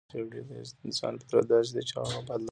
د انسان فطرت داسې دی چي هغه بايد له نورو سره يو ځای واوسي.